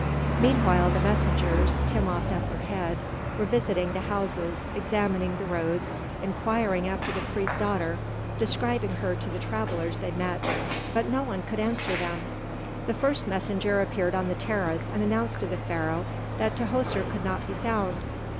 Meanwhile the messengers, Timopht at their head, were visiting the houses, examining the roads, inquiring after the priest's daughter, describing her to the travellers they met; but no one could answer them. The first messenger appeared on the terrace and announced to the Pharaoh that Tahoser could not be found.